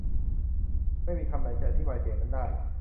ไม่มีคำไหนที่จะอธิบายเสียงนั้นได้